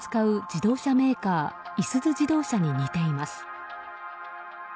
自動車メーカーいすゞ自動車に似ています。